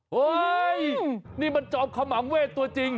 เฮ้ยนี่มันจอมขมังเวศตัวจริง